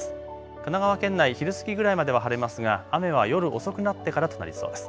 神奈川県内、昼過ぎぐらいまでは晴れますが雨は夜遅くなってからとなりそうです。